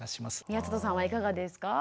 宮里さんはいかがですか？